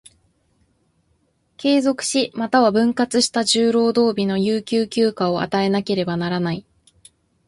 継続し、又は分割した十労働日の有給休暇を与えなければならない。